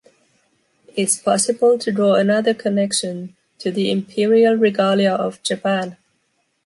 It’s possible to draw another connection to the imperial regalia of Japan.